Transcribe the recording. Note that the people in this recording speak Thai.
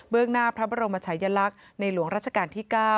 เบื้องหน้าพระบรมนะคะยะลักษณ์ในหลวงรัชการที่๙